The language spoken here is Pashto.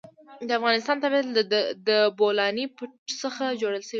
د افغانستان طبیعت له د بولان پټي څخه جوړ شوی دی.